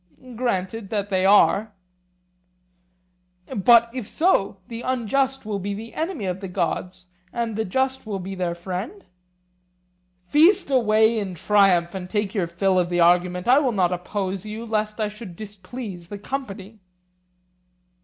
Granted that they are. But if so, the unjust will be the enemy of the gods, and the just will be their friend? Feast away in triumph, and take your fill of the argument; I will not oppose you, lest I should displease the company.